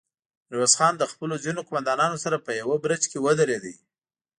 ميرويس خان له خپلو ځينو قوماندانانو سره په يوه برج کې ودرېد.